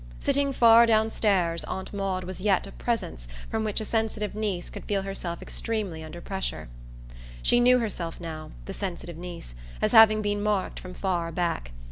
Sitting far downstairs Aunt Maud was yet a presence from which a sensitive niece could feel herself extremely under pressure. She knew herself now, the sensitive niece, as having been marked from far back.